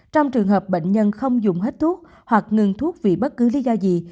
trong trường hợp bệnh nhân không dùng hết thuốc hoặc ngừng thuốc vì bất cứ lý do gì